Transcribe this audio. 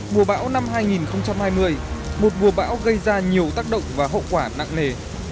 mùa bão năm hai nghìn hai mươi một mùa bão gây ra nhiều tác động và hậu quả nặng nề